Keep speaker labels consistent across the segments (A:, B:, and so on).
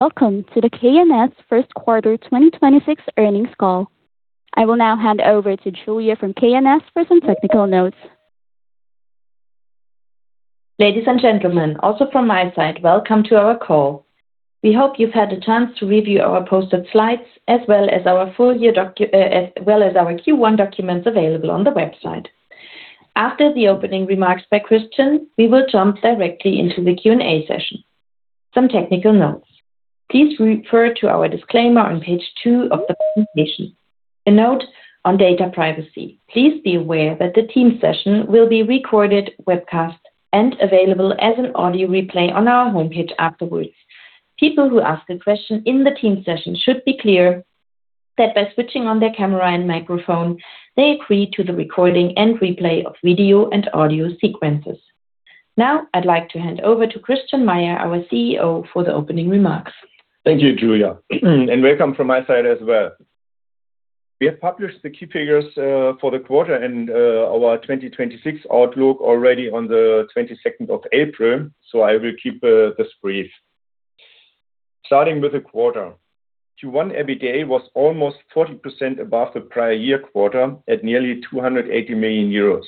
A: Welcome to the K+S first quarter 2026 earnings call. I will now hand over to Julia from K+S for some technical notes.
B: Ladies and gentlemen, also from my side, welcome to our call. We hope you've had a chance to review our posted slides as well as our Q1 documents available on the website. After the opening remarks by Christian, we will jump directly into the Q&A session. Some technical notes. Please refer to our disclaimer on page two of the presentation. A note on data privacy. Please be aware that the Teams session will be recorded, webcast, and available as an audio replay on our homepage afterwards. People who ask a question in the Teams session should be clear that by switching on their camera and microphone, they agree to the recording and replay of video and audio sequences. Now, I'd like to hand over to Christian Meyer, our CEO, for the opening remarks.
C: Thank you, Julia, and welcome from my side as well. We have published the key figures for the quarter and our 2026 outlook already on April 22nd, so I will keep this brief. Starting with the quarter. Q1 EBITDA was almost 40% above the prior year quarter at nearly 280 million euros.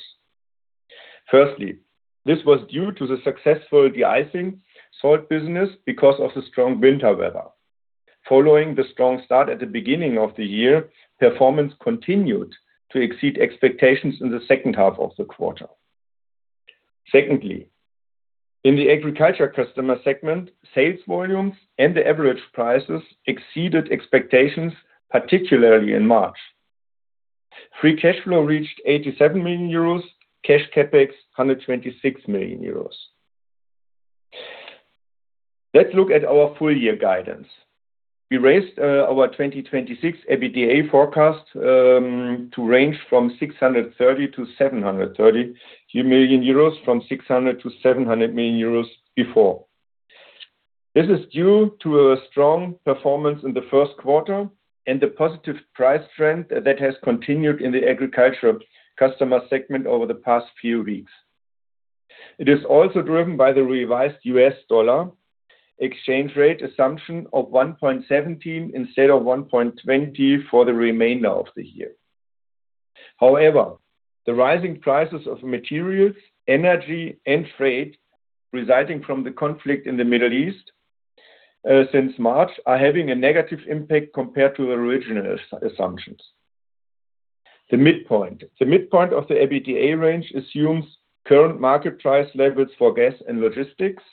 C: Firstly, this was due to the successful de-icing salt business because of the strong winter weather. Following the strong start at the beginning of the year, performance continued to exceed expectations in the second half of the quarter. Secondly, in the agriculture customer segment, sales volumes and the average prices exceeded expectations, particularly in March. Free cash flow reached 87 million euros. Cash CapEx, 126 million euros. Let's look at our full year guidance. We raised our 2026 EBITDA forecast to range from 630 million-730 million euros from 600 million-700 million euros before. This is due to a strong performance in the first quarter and the positive price trend that has continued in the agriculture customer segment over the past few weeks. It is also driven by the revised U.S. dollar exchange rate assumption of $1.17 instead of $1.20 for the remainder of the year. However, the rising prices of materials, energy, and freight resulting from the conflict in the Middle East since March are having a negative impact compared to the original assumptions. The midpoint. The midpoint of the EBITDA range assumes current market price levels for gas and logistics,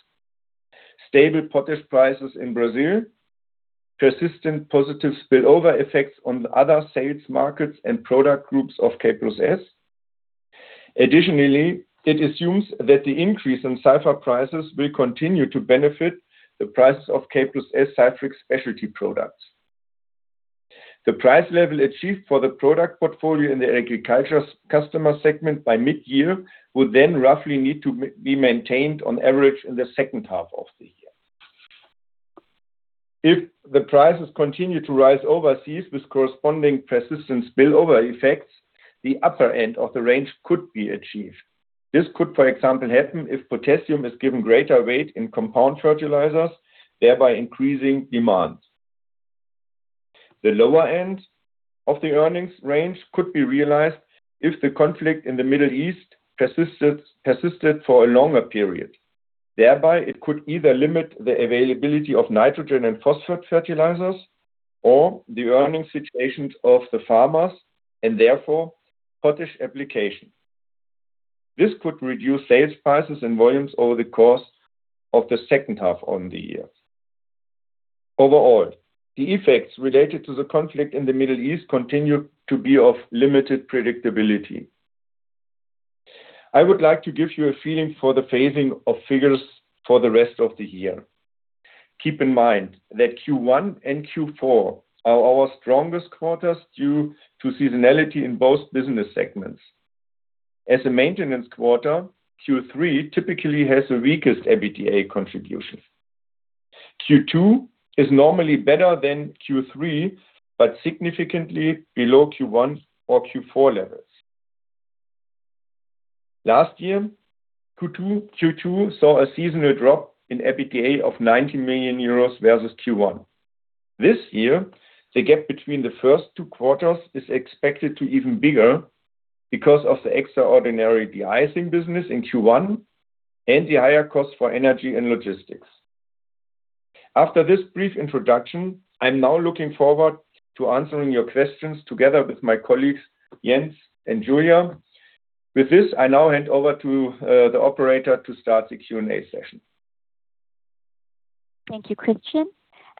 C: stable potash prices in Brazil, persistent positive spillover effects on other sales markets and product groups of K+S. It assumes that the increase in sulfur prices will continue to benefit the price of K+S sulfur specialty products. The price level achieved for the product portfolio in the agriculture customer segment by mid-year will roughly need to be maintained on average in the second half of the year. The prices continue to rise overseas with corresponding persistent spillover effects, the upper end of the range could be achieved. This could, for example, happen if potassium is given greater weight in compound fertilizers, thereby increasing demand. The lower end of the earnings range could be realized if the conflict in the Middle East persisted for a longer period. It could either limit the availability of nitrogen and phosphate fertilizers or the earning situations of the farmers and therefore potash application. This could reduce sales prices and volumes over the course of the second half on the year. The effects related to the conflict in the Middle East continue to be of limited predictability. I would like to give you a feeling for the phasing of figures for the rest of the year. Keep in mind that Q1 and Q4 are our strongest quarters due to seasonality in both business segments. As a maintenance quarter, Q3 typically has the weakest EBITDA contribution. Q2 is normally better than Q3, significantly below Q1 or Q4 levels. Last year, Q2 saw a seasonal drop in EBITDA of 90 million euros versus Q1. This year, the gap between the first two quarters is expected to even bigger because of the extraordinary de-icing business in Q1 and the higher cost for energy and logistics. After this brief introduction, I'm now looking forward to answering your questions together with my colleagues, Jens and Julia. With this, I now hand over to the operator to start the Q&A session.
A: Thank you, Christian.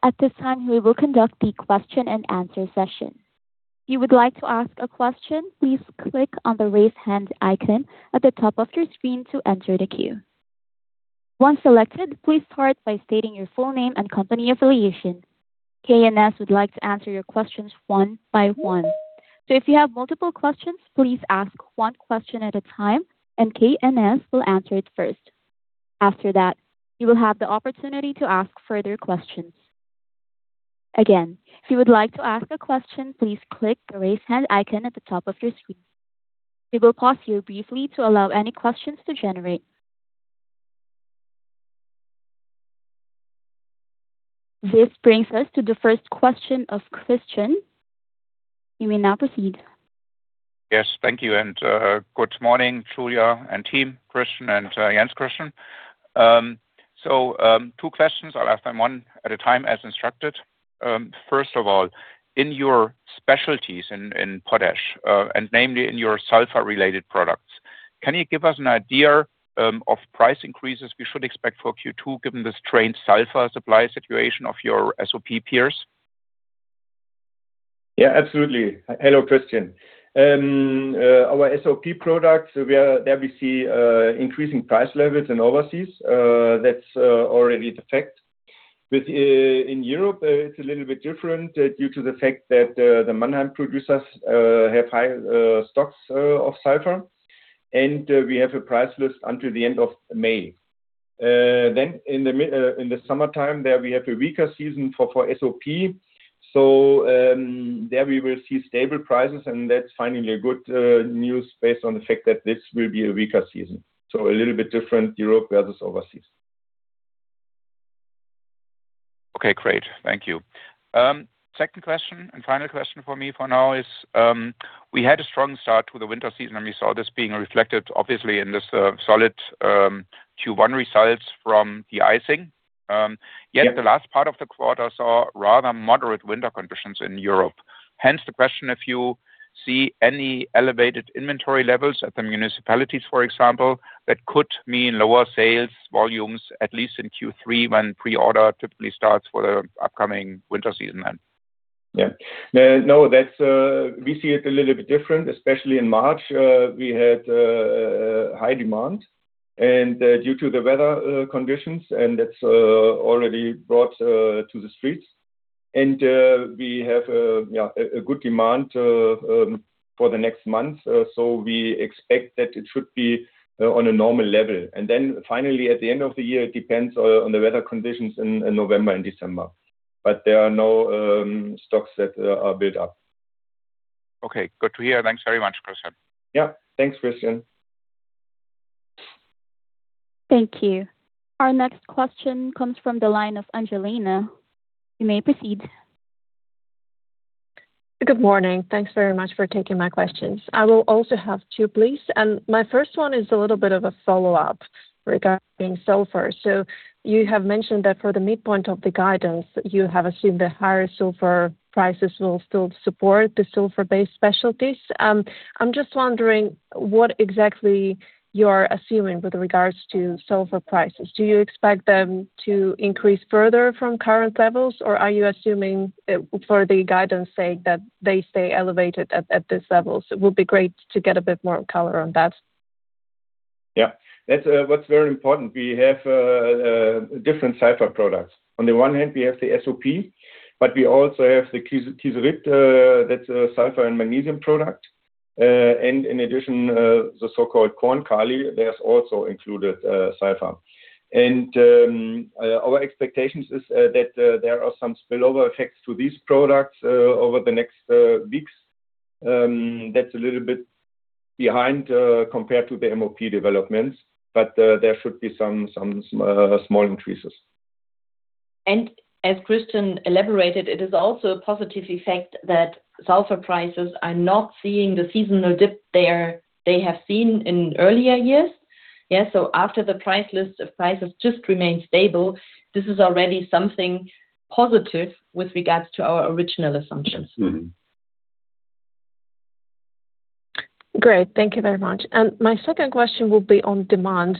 A: At this time, we will conduct the question-and-answer session. If you would like to ask a question, please click on the raise hand icon at the top of your screen to enter the queue. Once selected, please start by stating your full name and company affiliation. K+S would like to answer your questions one by one. If you have multiple questions, please ask one question at a time, and K+S will answer it first. After that, you will have the opportunity to ask further questions. Again, if you would like to ask a question, please click the raise hand icon at the top of your screen. We will pause here briefly to allow any questions to generate. This brings us to the first question of Christian. You may now proceed.
D: Yes. Thank you. Good morning, Julia and team, Christian and Jens, Christian. Two questions. I'll ask them one at a time as instructed. First of all, in your specialties in potash, and namely in your sulfur-related products, can you give us an idea of price increases we should expect for Q2, given the strained sulfur supply situation of your SOP peers?
C: Yeah, absolutely. Hello, Christian. Our SOP products, we see increasing price levels in overseas. That's already the fact. With in Europe, it's a little bit different due to the fact that the Mannheim producers have high stocks of sulfur, and we have a price list until the end of May. In the summertime there, we have a weaker season for SOP. There we will see stable prices, and that's finally a good news based on the fact that this will be a weaker season. A little bit different Europe versus overseas.
D: Okay. Great. Thank you. Second question and final question for me for now is, we had a strong start to the winter season, we saw this being reflected obviously in this solid Q1 results from de-icing.
C: Yeah.
D: Yet the last part of the quarter saw rather moderate winter conditions in Europe. The question if you see any elevated inventory levels at the municipalities, for example, that could mean lower sales volumes, at least in Q3, when pre-order typically starts for the upcoming winter season then.
C: Yeah. No. That's. We see it a little bit different. Especially in March, we had high demand and due to the weather conditions, and that's already brought to the streets. We have, yeah, a good demand for the next month. We expect that it should be on a normal level. Finally, at the end of the year, it depends on the weather conditions in November and December, but there are no stocks that are built up.
D: Okay. Good to hear. Thanks very much, Christian.
C: Yeah. Thanks, Christian.
A: Thank you. Our next question comes from the line of Angelina. You may proceed.
E: Good morning. Thanks very much for taking my questions. I will also have two, please. My first one is a little bit of a follow-up regarding sulfur. You have mentioned that for the midpoint of the guidance, you have assumed the higher sulfur prices will still support the sulfur-based specialties. I'm just wondering what exactly you're assuming with regards to sulfur prices. Do you expect them to increase further from current levels, or are you assuming for the guidance sake that they stay elevated at this level? It would be great to get a bit more color on that.
C: Yeah. That's what's very important. We have different sulfur products. On the one hand, we have the SOP, but we also have the Kieserit, that's a sulfur and magnesium product. In addition, the so-called Korn-KALI, that's also included sulfur. Our expectations is that there are some spillover effects to these products over the next weeks. That's a little bit behind compared to the MOP developments, but there should be some small increases.
B: As Christian elaborated, it is also a positive effect that sulfur prices are not seeing the seasonal dip they have seen in earlier years. Yeah. After the price list of prices just remain stable, this is already something positive with regards to our original assumptions.
E: Great. Thank you very much. My second question will be on demand.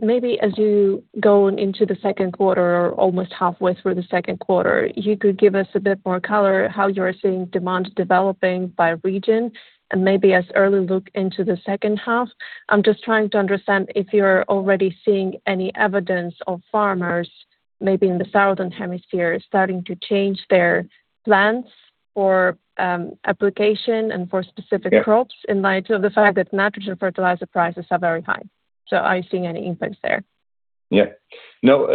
E: Maybe as you go into the second quarter or almost halfway through the second quarter, you could give us a bit more color how you're seeing demand developing by region and maybe as early look into the second half. I'm just trying to understand if you're already seeing any evidence of farmers, maybe in the southern hemisphere, starting to change their plans for application-
C: Yeah.
E: -crops in light of the fact that nitrogen fertilizer prices are very high. Are you seeing any influence there?
C: Yeah. No,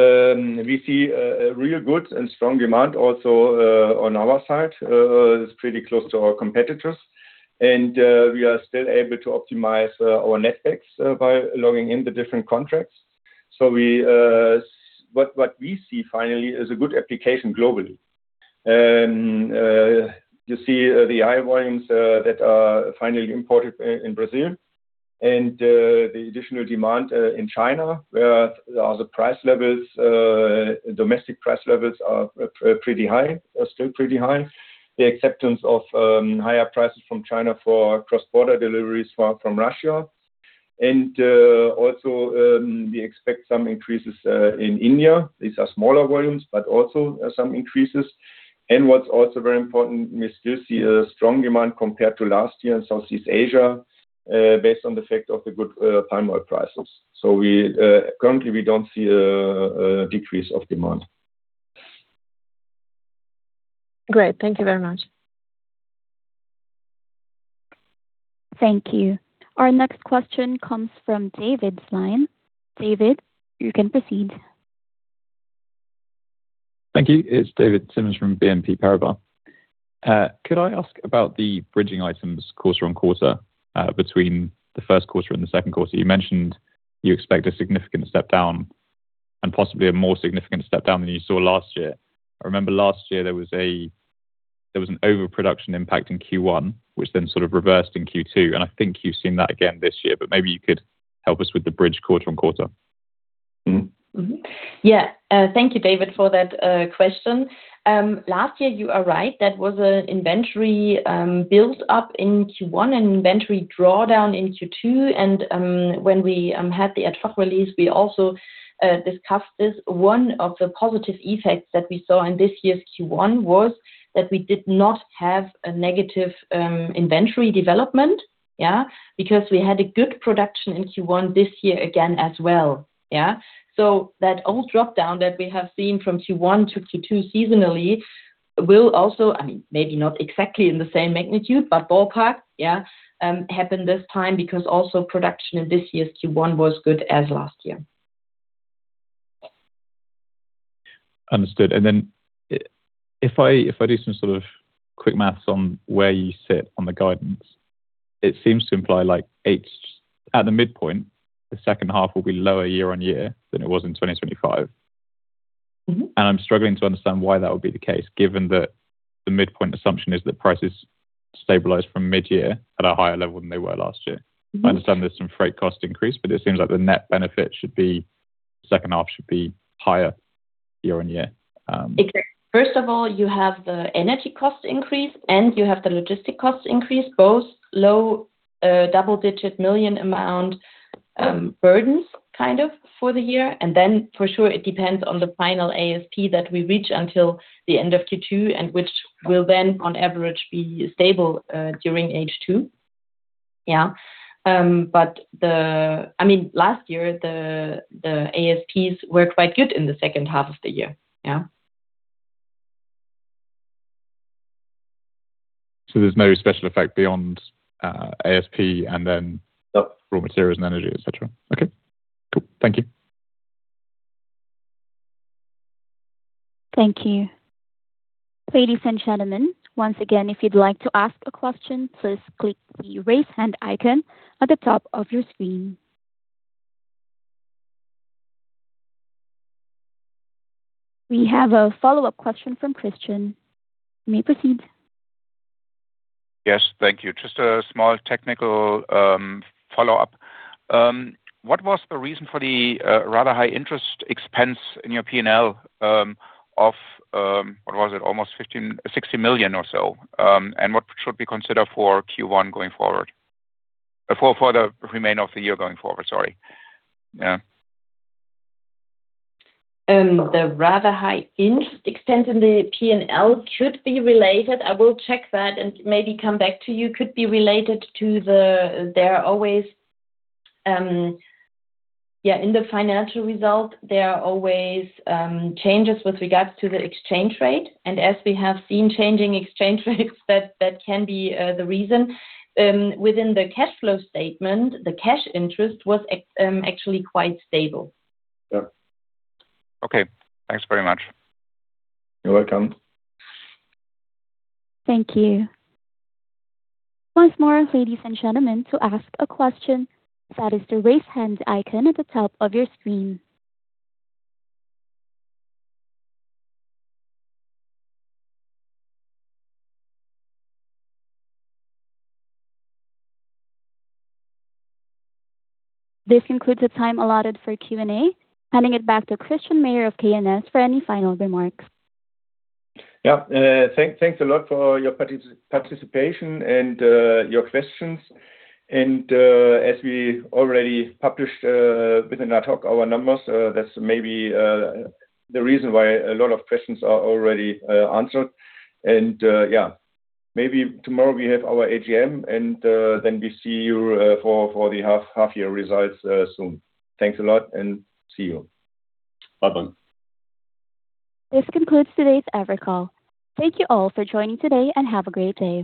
C: we see a real good and strong demand also on our side, it's pretty close to our competitors. We are still able to optimize our netbacks by locking in the different contracts. We see finally is a good application globally. You see the high volumes that are finally imported in Brazil and the additional demand in China, where the other price levels, domestic price levels are pretty high, are still pretty high. The acceptance of higher prices from China for cross-border deliveries from Russia. Also, we expect some increases in India. These are smaller volumes, but also some increases. What's also very important, we still see a strong demand compared to last year in Southeast Asia, based on the fact of the good palm oil prices. We currently don't see a decrease of demand.
E: Great. Thank you very much.
A: Thank you. Our next question comes from David's line. David, you can proceed.
F: Thank you. It's David Symonds from BNP Paribas. Could I ask about the bridging items quarter-on-quarter between the first quarter and the second quarter? You mentioned you expect a significant step down and possibly a more significant step down than you saw last year. I remember last year there was an overproduction impact in Q1 which then sort of reversed in Q2, and I think you've seen that again this year, but maybe you could help us with the bridge quarter-on-quarter?
B: Thank you, David, for that question. Last year, you are right, that was a inventory built up in Q1 and inventory drawdown in Q2. When we had the ad hoc release, we also discussed this. One of the positive effects that we saw in this year's Q1 was that we did not have a negative inventory development because we had a good production in Q1 this year again as well. That old drop-down that we have seen from Q1 to Q2 seasonally will also, maybe not exactly in the same magnitude, but ballpark, happen this time because also production in this year's Q1 was good as last year.
F: Understood. If I do some sort of quick math on where you sit on the guidance, it seems to imply like eight at the midpoint, the second half will be lower year-on-year than it was in 2025. I'm struggling to understand why that would be the case, given that the midpoint assumption is that prices stabilize from mid-year at a higher level than they were last year. I understand there's some freight cost increase, but it seems like the net benefit should be, second half should be higher year-on-year.
B: First of all, you have the energy cost increase, and you have the logistic cost increase, both low, double-digit 1 million amount, burdens kind of for the year. Then for sure, it depends on the final ASP that we reach until the end of Q2, and which will then on average be stable during H2. Yeah. The I mean, last year the ASPs were quite good in the second half of the year. Yeah.
F: There's no special effect beyond, ASP and then raw materials and energy, etc. Okay. Cool. Thank you.
A: Thank you. Ladies and gentlemen, once again, if you'd like to ask a question, please click the raise hand icon at the top of your screen. We have a follow-up question from Christian. You may proceed.
D: Yes. Thank you. Just a small technical, follow-up. What was the reason for the rather high interest expense in your P&L of what was it? Almost 60 million or so. What should we consider for Q1 going forward? For the remainder of the year going forward, sorry. Yeah.
B: The rather high interest expense in the P&L should be related. I will check that and maybe come back to you. In the financial result, there are always changes with regards to the exchange rate. As we have seen changing exchange rates, that can be the reason. Within the cash flow statement, the cash interest was actually quite stable.
D: Yeah. Okay. Thanks very much.
C: You're welcome.
A: Thank you. Once more ladies and gentlemen, to ask a question click the raise hand icon at the top of your screen. This concludes the time allotted for Q&A. Handing it back to Christian Meyer of K+S for any final remarks.
C: Yeah. Thanks a lot for your participation and your questions. As we already published, within our talk, our numbers, that's maybe the reason why a lot of questions are already answered. Yeah, maybe tomorrow we have our AGM, and then we see you for the half year results soon. Thanks a lot, and see you. Bye-bye.
A: This concludes today's Evercall. Thank you all for joining today, and have a great day.